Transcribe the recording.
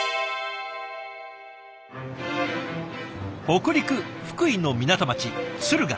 北陸福井の港町敦賀。